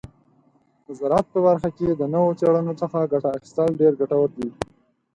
د زراعت په برخه کې د نوو څیړنو څخه ګټه اخیستل ډیر ګټور دي.